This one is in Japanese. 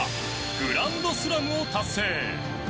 グランドスラムを達成。